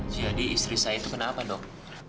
jadi istri saya itu kena apa dok